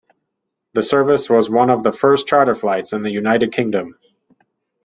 The service was one of the first charter flights in the United Kingdom.